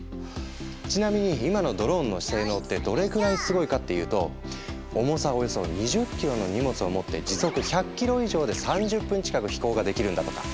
ちなみに今のドローンの性能ってどれぐらいすごいかっていうと重さおよそ２０ｋｇの荷物を持って時速１００ｋｍ以上で３０分近く飛行ができるんだとか。